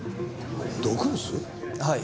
はい。